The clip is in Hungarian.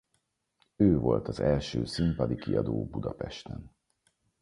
Ő volt az első színpadi kiadó Budapesten.